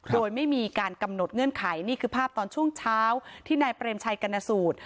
โดยไม่มีการกำหนดเงื่อนไขนี่คือภาพตอนช่วงเช้าที่นายเปรมชัยกรณสูตร